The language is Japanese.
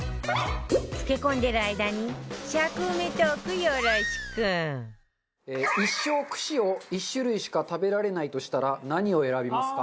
漬け込んでる間に一生串を１種類しか食べられないとしたら何を選びますか？